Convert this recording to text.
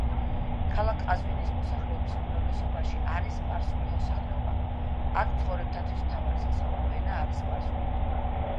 ქალაქ ყაზვინის მოსახლეობის უმრავლესობაში არის სპარსული მოსახლეობა, აქ მცხოვრებთათვის მთავარი სასაუბრო ენა არის სპარსული.